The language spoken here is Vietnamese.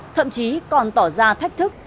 thậm chí còn tỏ ra thách thức